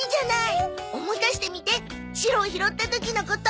思い出してみてシロを拾った時のこと。